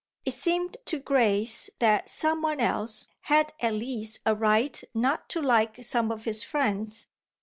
It seemed to Grace that some one else had at least a right not to like some of his friends.